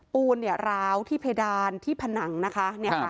ปูนเนี่ยร้าวที่เพดานที่ผนังนะคะ